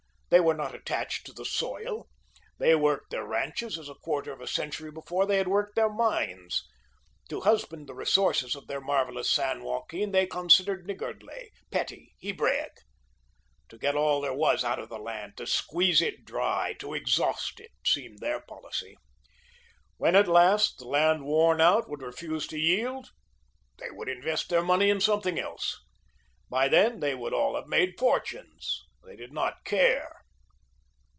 They were not attached to the soil. They worked their ranches as a quarter of a century before they had worked their mines. To husband the resources of their marvellous San Joaquin, they considered niggardly, petty, Hebraic. To get all there was out of the land, to squeeze it dry, to exhaust it, seemed their policy. When, at last, the land worn out, would refuse to yield, they would invest their money in something else; by then, they would all have made fortunes. They did not care.